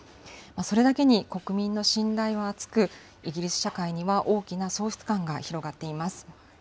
それだけに、国民の信頼は厚く、イギリス社会には大きな喪失感が広がっています。